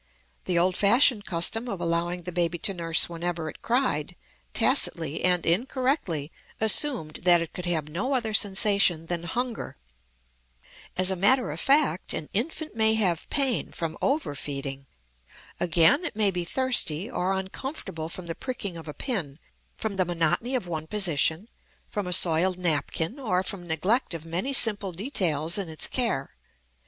The old fashioned custom of allowing the baby to nurse whenever it cried, tacitly and incorrectly assumed that it could have no other sensation than hunger. As a matter of fact an infant may have pain from overfeeding. Again, it may be thirsty, or uncomfortable from the pricking of a pin, from the monotony of one position, from a soiled napkin, or from neglect of many simple details in its care.